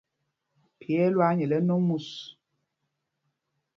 Phī ɛ́ ɛ́ lwaa nyɛl ɛnɔ mus.